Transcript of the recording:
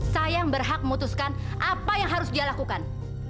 saya yang berhak memutuskan apa yang harus dia lakukan